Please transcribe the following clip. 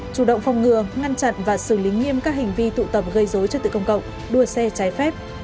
chủ động phòng ngừa ngăn chặn và xử lý nghiêm các hành vi tụ tập gây dối trật tự công cộng đua xe trái phép